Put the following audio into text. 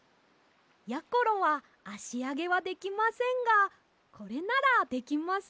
やころはあしあげはできませんがこれならできますよ。